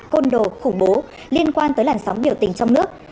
côn đồ khủng bố liên quan tới làn sóng biểu tình trong nước